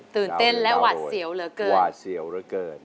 โตเต่อเต่อเกิน